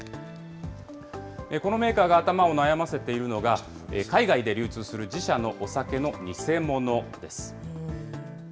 このメーカーが頭を悩ませているのが、海外で流通する自社のお酒の偽物です。